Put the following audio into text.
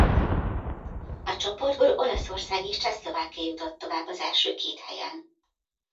A csoportból Olaszország és Csehszlovákia jutott tovább az első két helyen.